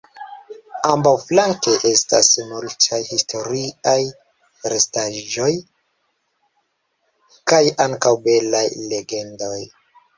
Ambaǔflanke estas multaj historiaj restasĵoj kaj ankaǔ belaj legendoj.